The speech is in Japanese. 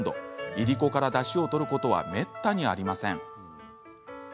いりこからダシを取ることはめったにありません。